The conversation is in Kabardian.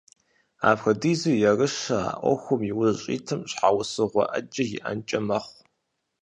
Апхуэдизу ерыщу а Ӏуэхум иужь щӀитым щхьэусыгъуэ Ӏэджэ иӀэнкӀэ мэхъу.